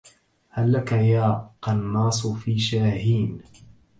هل لك يا قناص في شاهين